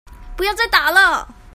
不要再打了